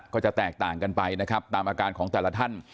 ก็จะแตกต่างกันไปนะครับตามอาการของแต่ละท่าน